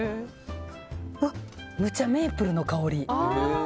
うわっ、むっちゃメープルの香り。